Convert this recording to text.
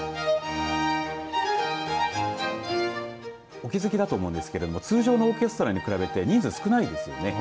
お気付きだと思うんですけれども通常のオーケストラに比べて人数、少ないですよね。